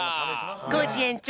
コージ園長！